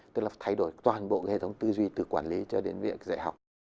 tức là thay đổi toàn bộ hệ thống tư duy từ quản lý cho đến việc dạy học